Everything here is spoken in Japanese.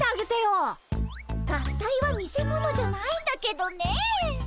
合体は見せ物じゃないんだけどねえ。